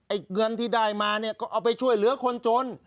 เงินที่ได้มาเนี่ยก็เอาไปช่วยเหลือคนจน